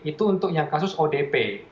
itu untuk yang kasus odp